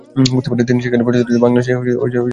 তিনি সেকালের প্রচলিত বাংলা শিক্ষা লাভ করেছিলেন।